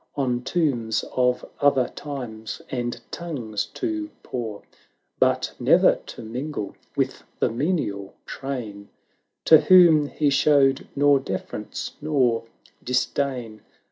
On tomes of other times and tongues to pore; But ne'er to mingle with the menial train. To whom he showed nor deference nor disdain.